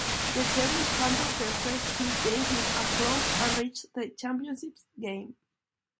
The Terriers handled their first two games with aplomb and reached the championship game.